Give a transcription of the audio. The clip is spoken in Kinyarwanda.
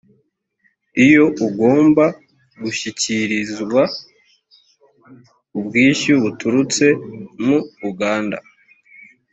iyo ugomba gushyikirizwa ubwishyu buturutse mu uganda